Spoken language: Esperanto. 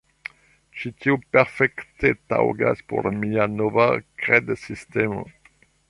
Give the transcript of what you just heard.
Ĉi tio perfekte taŭgas por mia nova kredsistemo